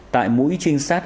tại mũi trinh sát